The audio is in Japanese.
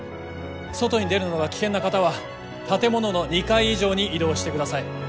外に出るのが危険な方は建物の２階以上に移動してください。